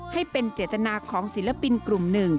ให้เป็นเจตนาของศิลปินกลุ่มหนึ่ง